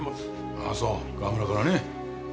ああそう川村からね。